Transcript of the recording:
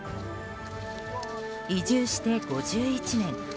移住して５１年。